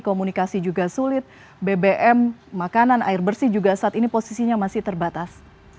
komunikasi juga sulit bbm makanan air bersih juga saat ini posisinya masih terbatas